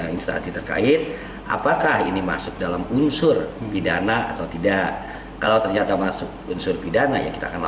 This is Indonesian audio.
instasi terkait apakah ini masuk dalam unsur pidana atau tidak kalau ternyata masuk unsur pidana yang